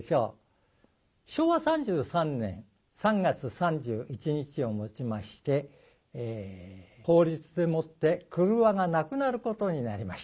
昭和３３年３月３１日をもちまして法律でもって郭がなくなることになりました。